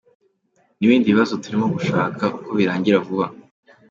N’ibindi bibazo turimo gushaka uko birangira vuba.